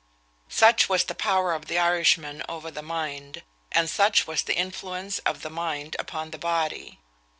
Such was the power of the Irishman over the mind, and such was the influence of the mind upon the body.